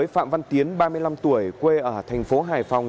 phạm văn tiến ba mươi năm tuổi quê ở thành phố hải phòng